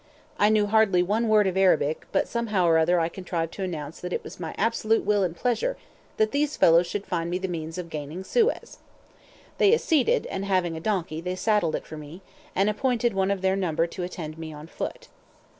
I knew hardly one word of Arabic, but somehow or other I contrived to announce it as my absolute will and pleasure that these fellows should find me the means of gaining Suez. They acceded, and having a donkey, they saddled it for me, and appointed one of their number to attend me on foot.